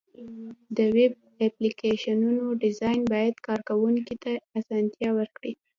د ویب اپلیکیشنونو ډیزاین باید کارونکي ته اسانتیا ورکړي.